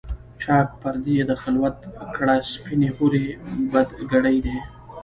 چاک پردې یې د خلوت کړه سپیني حوري، بد ګړی دی